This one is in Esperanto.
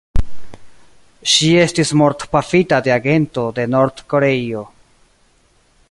Ŝi estis mortpafita de agento de Nord-Koreio.